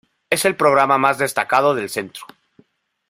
Es el programa más destacado del centro.